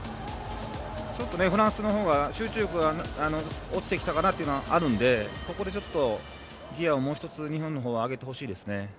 ちょっとフランスのほうが集中力が落ちてきた感じがあるので、ここでちょっとギヤをもう１つ日本のほうは上げてほしいですね。